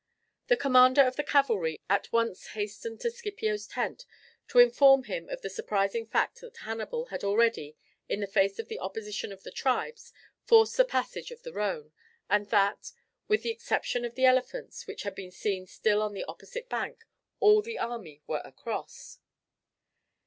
The commander of the cavalry at once hastened to Scipio's tent to inform him of the surprising fact that Hannibal had already, in the face of the opposition of the tribes, forced the passage of the Rhone, and that, with the exception of the elephants, which had been seen still on the opposite bank, all the army were across.